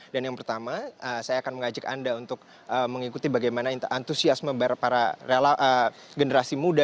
dan yang pertama saya akan mengajak anda untuk mengikuti bagaimana antusiasme para generasi muda